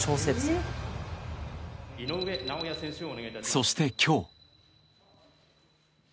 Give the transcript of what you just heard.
そして今日。